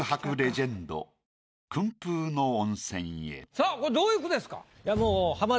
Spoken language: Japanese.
さぁこれどういう句ですか？